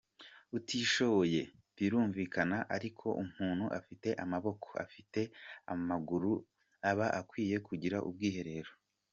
Utishoboye birumvikana, ariko umuntu afite amaboko, afite amaguru aba akwiye kugira ubwiherero".